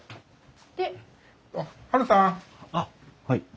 あっはい。